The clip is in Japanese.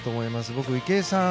僕、池江さん